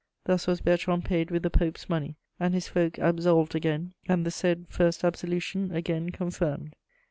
"Thus was Bertrand paid with the Pope's money, and his folk absolved again, and the said first absolution again confirmed."